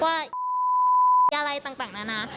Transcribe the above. ทำไมจะต้องมาเรียกเราว่าอะไรต่างนะ